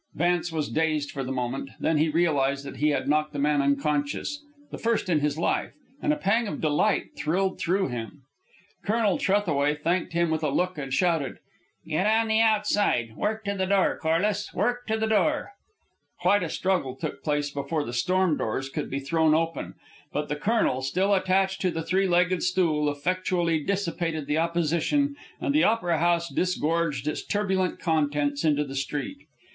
Vance was dazed for the moment, then he realized that he had knocked the man unconscious, the first in his life, and a pang of delight thrilled through him. Colonel Trethaway thanked him with a look, and shouted, "Get on the outside! Work to the door, Corliss! Work to the door!" Quite a struggle took place before the storm doors could be thrown open; but the colonel, still attached to the three legged stool, effectually dissipated the opposition, and the Opera House disgorged its turbulent contents into the street.